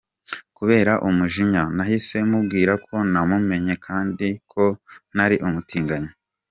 Kubera umujinya, nahise mubwira ko namumenye kandi ko ntari umutinganyi.